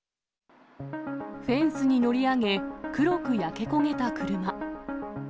フェンスに乗り上げ、黒く焼け焦げた車。